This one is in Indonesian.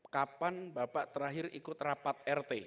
kapan bapak terakhir ikut rapat rt